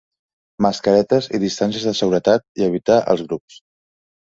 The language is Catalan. Mascaretes i distàncies de seguretat i evitar els grups.